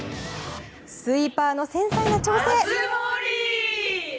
スイーパーの繊細な調整に。